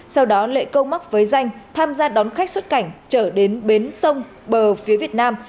sau đó lệ câu mắc với danh tham gia đón khách xuất cảnh trở đến bến sông bờ phía việt nam